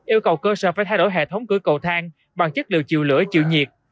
yêu cầu cơ sở phải thay đổi hệ thống cửa cầu thang bằng chất liệu chiều lửa chịu nhiệt